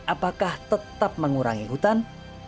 apakah tetap mengurangi hutan